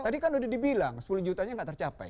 tadi kan sudah dibilang sepuluh juta nya nggak tercapai